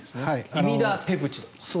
イミダペプチド。